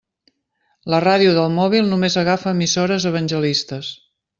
La ràdio del mòbil només agafa emissores evangelistes.